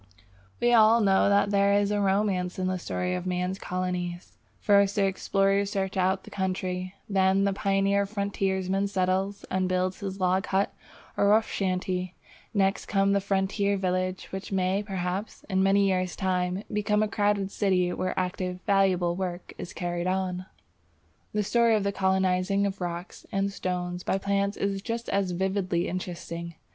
We all know that there is a romance in the story of man's colonies. First the explorer searches out the country; then the pioneer frontiersman settles and builds his log hut or rough shanty. Next comes the frontier village, which may perhaps in many years' time become a crowded city where active, valuable work is carried on. The story of the colonizing of rocks and stones by plants is just as vividly interesting.